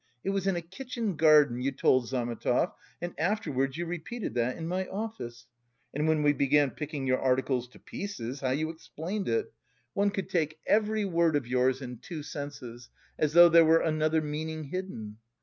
It was in a kitchen garden, you told Zametov and afterwards you repeated that in my office? And when we began picking your article to pieces, how you explained it! One could take every word of yours in two senses, as though there were another meaning hidden.